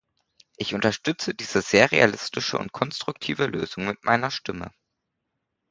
Ich unterstütze diese sehr realistische und konstruktive Lösung mit meiner Stimme.